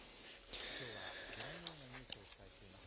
きょうはご覧のようなニュースをお伝えしています。